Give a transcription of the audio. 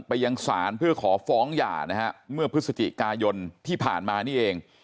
ไปยังศาลเพื่อขอฟ้องหย่านะฮะเมื่อพฤศจิกายนที่ผ่านมานี่เอง